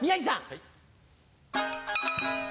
はい。